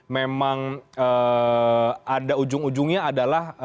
memang ada ujung ujungnya adalah